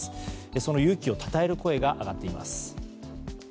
その勇気をたたえる声が上がっています。